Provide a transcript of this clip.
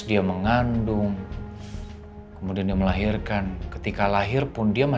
dan tidak terlalu lama